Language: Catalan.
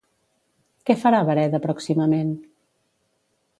Què farà Bareda pròximament?